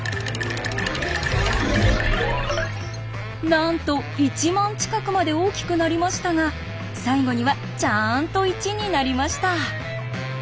なんと１万近くまで大きくなりましたが最後にはちゃんと１になりました。